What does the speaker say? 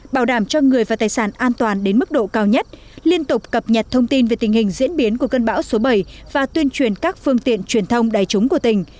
bảo đảm cho người và tài sản an toàn đến mức độ cao nhất liên tục cập nhật thông tin về tình hình diễn biến của cơn bão số bảy và tuyên truyền các phương tiện truyền thông đại chúng của tỉnh